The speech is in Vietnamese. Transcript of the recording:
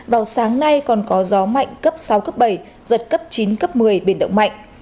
vào sáng nay còn có gió mạnh cấp sáu cấp bảy giật cấp chín cấp một mươi biển động mạnh